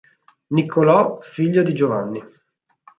Nicolò figlio di Giovanni.